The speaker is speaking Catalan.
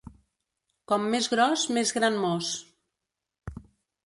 Com més gros més gran mos.